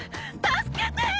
助けてー！